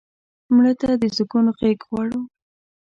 مړه ته د سکون غېږ غواړو